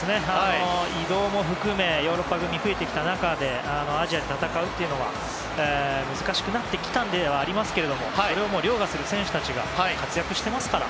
移動も含めヨーロッパ組が増えてきた中でアジアで戦うというのが難しくなってはきましたがそれを凌駕する選手たちが活躍してますから。